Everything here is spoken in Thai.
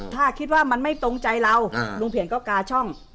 ถ้าคิดว่ามันไม่ตรงใจเราลุงเพียนก็กาช่อง